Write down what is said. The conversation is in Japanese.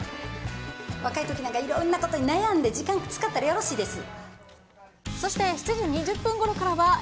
若いときなんかいろんなことに悩んで、時間使ったらよろしいです。